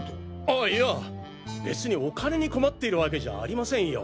あいや別にお金に困ってるわけじゃありませんよ。